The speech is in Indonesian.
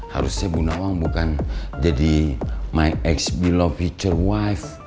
harusnya bu nawang bukan jadi my ex belo future wif